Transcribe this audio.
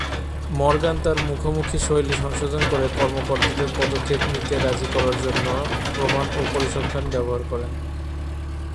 Morgan তার মুখোমুখি শৈলী সংশোধন করে কর্মকর্তাদের পদক্ষেপ নিতে রাজি করার জন্য প্রমাণ ও পরিসংখ্যান ব্যবহার করেন।